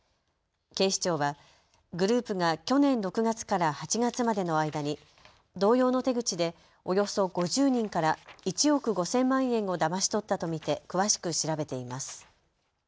警視庁はグループが去年６月から８月までの間に同様の手口でおよそ５０人から１億５０００万円をだまし取ったと見て詳しく調べています。